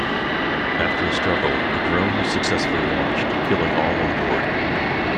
After a struggle, the drone is successfully launched, killing all on board.